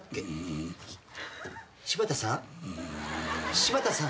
柴田さん？